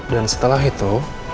dan setelah itu